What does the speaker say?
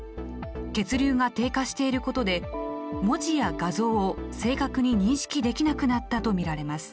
血流が低下していることで文字や画像を正確に認識できなくなったと見られます。